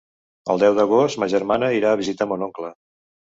El deu d'agost ma germana irà a visitar mon oncle.